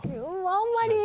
あんまり。